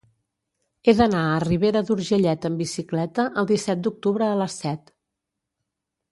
He d'anar a Ribera d'Urgellet amb bicicleta el disset d'octubre a les set.